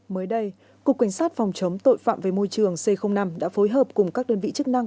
mới đây cục cảnh sát phòng chống tội phạm về môi trường c năm đã phối hợp cùng các đơn vị chức năng